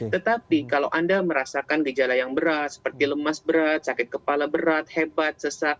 tetapi kalau anda merasakan gejala yang berat seperti lemas berat sakit kepala berat hebat sesak